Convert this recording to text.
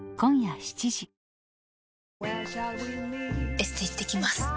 エステ行ってきます。